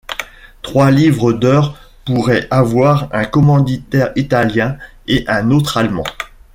Trois livres d'heures pourraient avoir un commanditaire italien et un autre allemand.